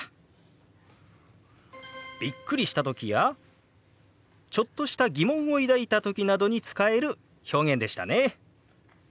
びっくりした時やちょっとした疑問を抱いた時などに使える表現でしたね。